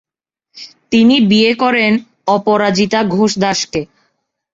তিনি বিয়ে করেন অপরাজিতা ঘোষ দাস কে।